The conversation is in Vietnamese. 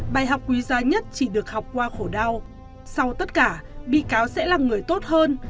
bài học quý giá nhất chỉ được học qua khổ đau sau tất cả bị cáo sẽ là người tốt hơn